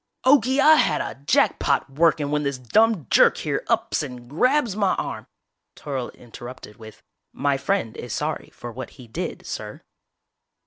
"Okie, I had a jackpot workin' when this dumb jerk here ups and grabs my arm " Toryl interrupted with, "My friend is sorry for what he did, sir."